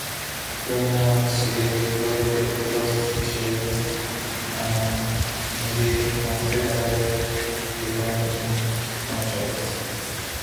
Criminal and civil procedures are indeed considered different in most countries.